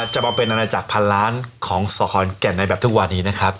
จะมาเป็นเอาอะไรจากพันล้านของสเหรอร์แก่นแปลงแบบทุกวันนี้นะครับ